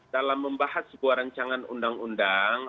dalam membahas sebuah rancangan undang undang